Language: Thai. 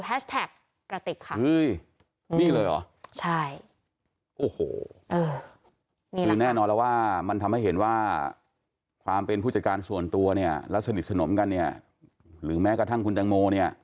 แฮชแท็กกระติกค่ะนี่เลยเหรอใช่